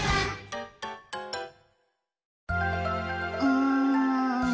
うん。